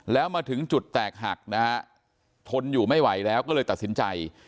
แล้วมาถึงจุดแตกหักนะฮะทนอยู่ไม่ไหวแล้วก็เลยตัดสินใจ